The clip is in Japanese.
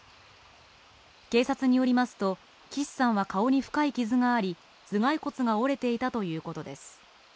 警察によりますと、岸さんは顔に深い傷があり、頭蓋骨が折れていたということです。